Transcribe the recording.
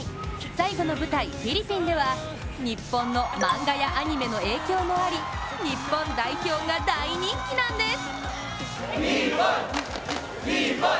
最後の舞台、フィリピンでは日本の漫画やアニメの影響もあり日本代表が大人気なんです。